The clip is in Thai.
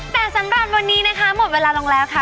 แต่สำหรับวันนี้นะคะหมดเวลาลงแล้วค่ะ